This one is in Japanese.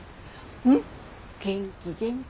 うん元気元気。